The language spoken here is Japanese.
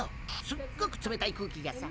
すっごく冷たい空気がさ。